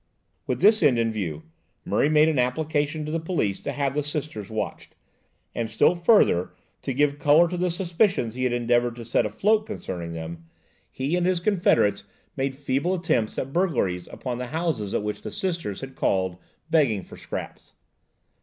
With this end in view, Murray made an application to the police to have the Sisters watched, and still further to give colour to the suspicions he had endeavoured to set afloat concerning them, he and his confederates made feeble attempts at burglary upon the houses at which the Sisters had called, begging for scraps.